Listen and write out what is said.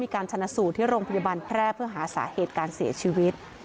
การชนะสูตรที่โรงพยาบาลแพร่เพื่อหาสาเหตุการเสียชีวิต